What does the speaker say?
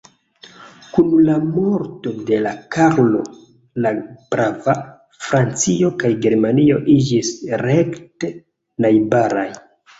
Kun la morto de Karlo la Brava, Francio kaj Germanio iĝis rekte najbaraj.